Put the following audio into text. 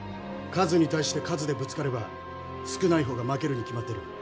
数に対して数でぶつかれば少ない方が負けるに決まってる。